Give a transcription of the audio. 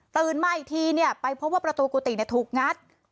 ตื่นไม่ทีเนี่ยไปพบว่าประตูกุฏิน่ะถูกงัด